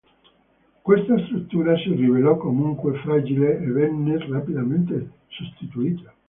Questa struttura si rivelò comunque fragile, e venne rapidamente sostituita.